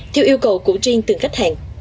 theo yêu cầu của trên từng khách hàng